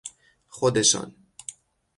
خودشان